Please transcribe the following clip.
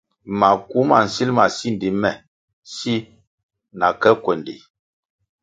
Maku ma nsil ma sindi me si na ke kwendi.